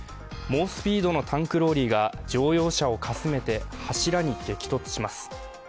猛スピードのタンクローリーが乗用車をかすめて柱に激突します。